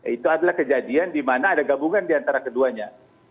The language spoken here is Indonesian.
itu adalah kejadian di mana ada gabungan diantara keduanya